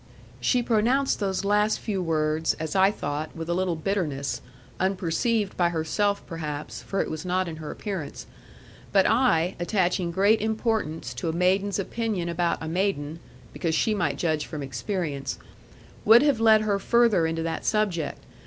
She pronounced those last few words, as I thought, with a little bitterness, unperceived by herself perhaps, for it was not in her appearance. But I, attaching great importance to a maiden's opinion about a maiden (because she might judge from experience), would have led her further into that subject.